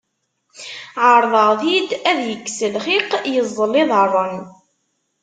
Σerḍeɣ-t-id ad yekkes lxiq, yeẓẓel iḍarren.